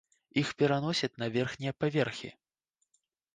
Іх пераносяць на верхнія паверхі.